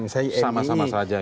sama sama saja ya